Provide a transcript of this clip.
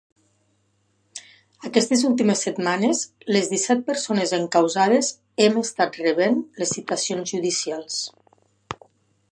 Aquestes últimes setmanes les disset persones encausades hem estat rebent les citacions judicials.